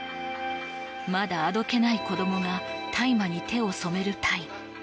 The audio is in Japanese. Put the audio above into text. まだあどけない子供が大麻に手を染めるタイ。